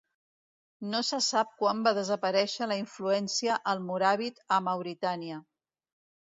No se sap quan va desaparèixer la influència almoràvit a Mauritània.